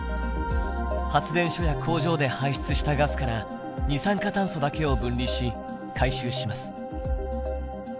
発電所や工場で排出したガスから二酸化炭素だけを分離し回収します。